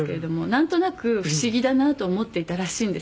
「なんとなく不思議だなと思っていたらしいんです